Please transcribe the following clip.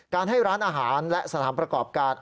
ให้ร้านอาหารและสถานประกอบการ